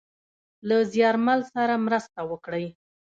له زیارمل سره مرسته وکړﺉ .